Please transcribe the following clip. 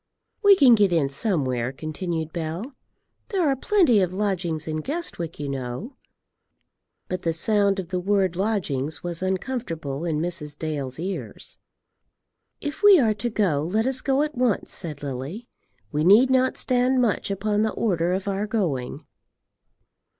"We can get in somewhere," continued Bell. "There are plenty of lodgings in Guestwick, you know." But the sound of the word lodgings was uncomfortable in Mrs. Dale's ears. "If we are to go, let us go at once," said Lily. "We need not stand much upon the order of our going."